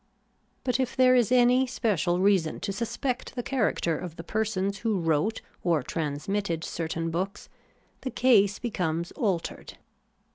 But if there is any special reason to suspect the character of the persons who wrote or transmitted cer tain books, the case becomes altered.